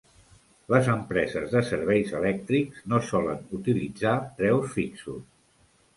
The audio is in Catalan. Les empreses de serveis elèctrics no solen utilitzar preus fixos.